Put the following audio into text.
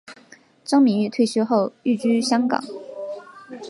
张敏钰退休后寓居香港。